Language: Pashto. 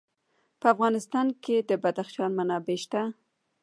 په افغانستان کې د بدخشان منابع شته.